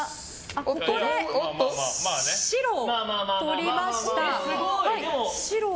ここで、白をとりました。